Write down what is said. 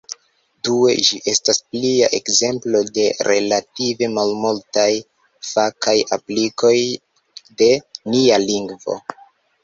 Due, ĝi estas plia ekzemplo de relative malmultaj fakaj aplikoj de nia lingvo.